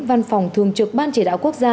văn phòng thường trực ban chỉ đạo quốc gia